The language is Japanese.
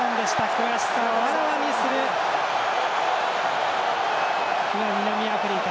悔しさをあらわにする南アフリカ。